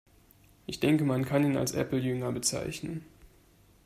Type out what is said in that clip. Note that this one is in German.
Ich denke, man kann ihn als Apple-Jünger bezeichnen.